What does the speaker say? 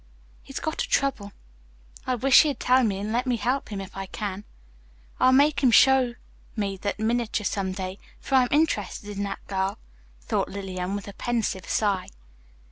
He's got a trouble. I wish he'd tell me and let me help him if I can. I'll make him show me that miniature someday, for I'm interested in that girl, thought Lillian with a pensive sigh.